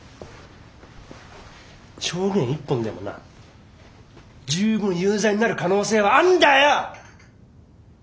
証言一本でもな十分有罪になる可能性はあんだよ！